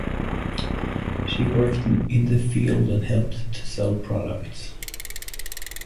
She worked in the field and helped to sell products.